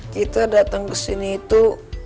kita datang kesini itu